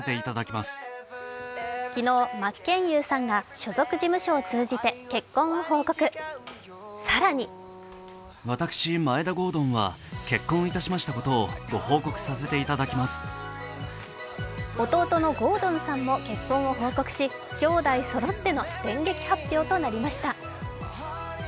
昨日、真剣佑さんが所属事務所を通じて結婚を報告更に弟の郷敦さんも結婚を報告し、兄弟そろっての電撃発表となりました。